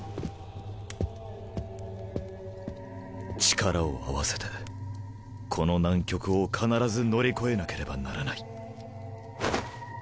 力を合わせてこの難局を必ず乗り越えなければならない。